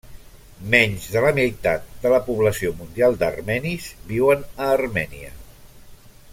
Menys de la meitat de la població mundial d'armenis viuen a Armènia.